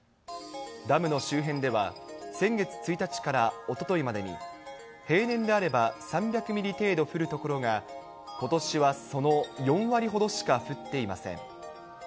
ダムの周辺では、先月１日からおとといまでに、平年であれば３００ミリ程度降るところが、ことしはその４割ほどしか降っていません。